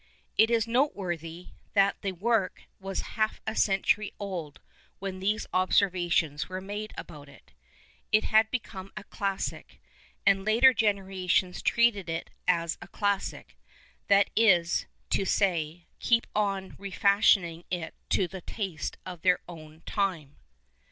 It is noteworthy that the work was half a century old when tliese observations were made alxmt it. It had become a classic. And later generations treaird it as a classic — that is to say, kept on refashioning it to the taste of their own time.